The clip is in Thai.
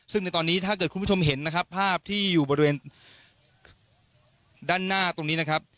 ซึ่งในตอนนี้ถ้าเกิดคุณผู้ชมเห็นนะครับภาพที่อยู่บริเวณด้านหน้าตรงนี้นะครับ